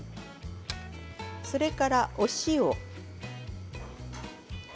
それからお塩。